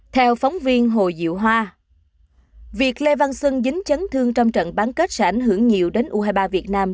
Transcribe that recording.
theo phóng viên hồ diệu hoa việc lê văn xưng dính chấn thương trong trận bán kết sẽ ảnh hưởng nhiều đến u hai mươi ba việt nam